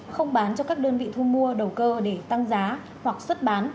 không bán cho các đơn vị thu mua đầu cơ để tăng giá hoặc xuất bán